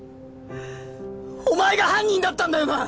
お前が犯人だったんだよな！